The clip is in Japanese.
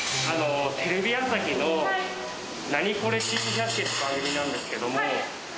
テレビ朝日の『ナニコレ珍百景』って番組なんですけども。